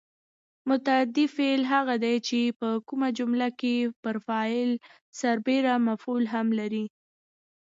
متعدي فعل هغه دی چې په جمله کې پر فاعل سربېره مفعول هم لري.